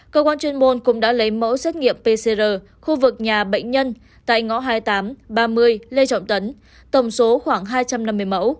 cơ quan chuyên môn cũng đã lấy mẫu xét nghiệm pcr khu vực nhà bệnh nhân tại ngõ hai mươi tám ba mươi lê trọng tấn tổng số khoảng hai trăm năm mươi mẫu